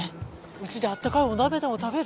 うちで温かいお鍋でも食べる？